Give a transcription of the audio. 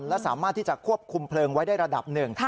และสามารถที่จะควบคุมเพลิงไว้ได้ระดับหนึ่ง